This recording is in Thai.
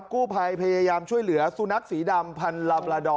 กู้ภัยพยายามช่วยเหลือสุนัขสีดำพันลำละดอ